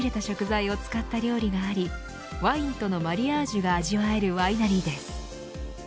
南三陸各所から仕入れた食材を使った料理がありワインとのマリアージュが味わえるワイナリーです。